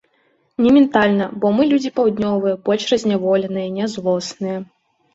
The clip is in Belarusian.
Ні ментальна, бо мы людзі паўднёвыя, больш разняволеныя, нязлосныя.